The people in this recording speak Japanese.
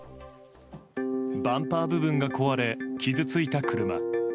バンパー部分が壊れ傷ついた車。